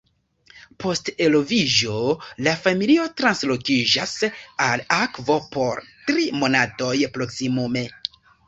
Post eloviĝo la familio translokiĝas al akvo por tri monatoj proksimume.